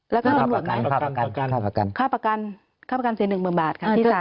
แล้วก็ตำรวจกันค่าประกันค่าประกันเสียหนึ่งหมื่นบาทค่ะที่สาร